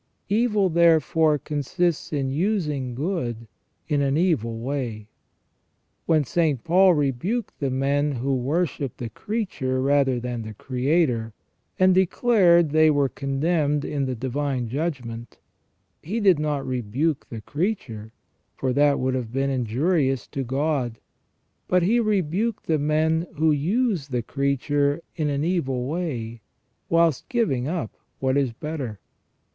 ... P>il, therefore, consists in using good in an evil way. When St. Paul rebuked the men ' who worship the creature rather than the Creator,' and declared they were condemned in the divine judgment, he did not rebuke the creature, for that would have been injurious to God, but he rebuked the men who use the creature in an evil way whilst giving up what is better."